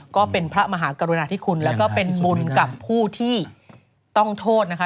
ก็เป็นพระมหากรุณาธิคุณแล้วก็เป็นบุญกับผู้ที่ต้องโทษนะคะ